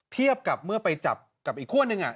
เทียบกับเมื่อไปจับกับอีกขั้วหนึ่ง